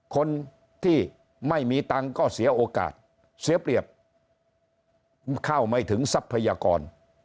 คนที่ไม่มีตังค์ก็เสียโอกาสเสียเปรียบเข้าไม่ถึงทรัพยากร